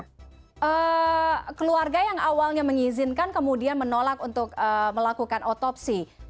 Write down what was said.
keluarga yang awalnya mengizinkan kemudian menolak untuk melakukan otopsi